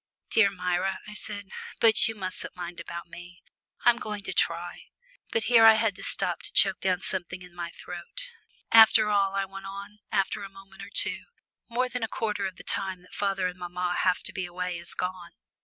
"Dear Myra," I said. "But you mustn't mind about me. I'm going to try " but here I had to stop to choke down something in my throat. "After all," I went on, after a moment or two, "more than a quarter of the time that father and mamma have to be away is gone.